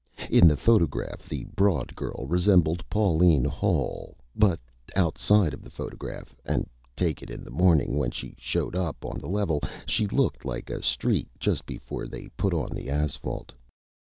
In the Photograph the Broad Girl resembled Pauline Hall, but outside of the Photograph, and take it in the Morning when she showed up on the Level, she looked like a Street just before they put on the Asphalt.